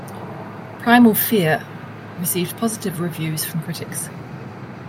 "Primal Fear" received positive reviews from critics.